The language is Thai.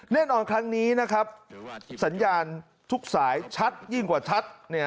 ครั้งนี้นะครับสัญญาณทุกสายชัดยิ่งกว่าชัด